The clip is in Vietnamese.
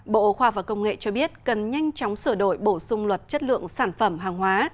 bộ khoa và công nghệ cho biết cần nhanh chóng sửa đổi bổ sung luật chất lượng sản phẩm hàng hóa